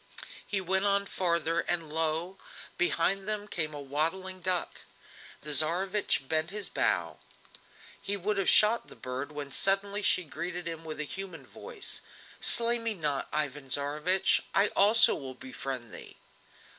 He went on farther, and lo! behind them came waddling a duck. The Tsarevich bent his bow; he would have shot the bird, when suddenly she greeted him with a human voice: "Slay me not, Ivan Tsarevich! I also will befriend thee!"